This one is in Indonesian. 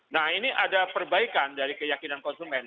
nah ini ada perbaikan dari keyakinan konsumen